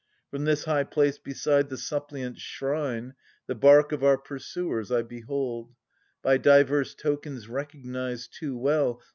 From this high place beside the suppliants' shrine The bark of our pursuers I behold. By divers tokens recognized too well.